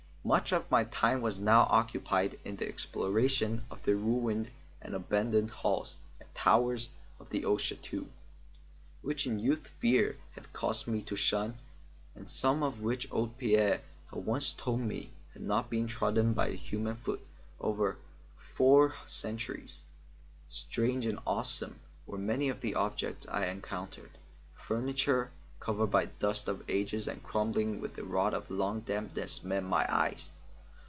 Much of my time was now occupied in the exploration of the ruined and abandoned halls and towers of the old chateau, which in youth fear had caused me to shun, and some of which old Pierre had once told me had not been trodden by human foot for over four centuries. Strange and awsome were many of the objects I encountered. Furniture, covered by the dust of ages and crumbling with the rot of long dampness met my eyes.